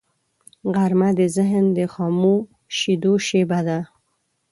غرمه د ذهن د خاموشیدو شیبه ده